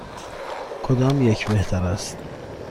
کدام یک بهتر است؟